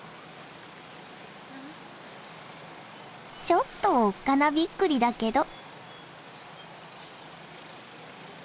ちょっとおっかなびっくりだけど。